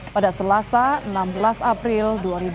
pada selasa enam belas april dua ribu dua puluh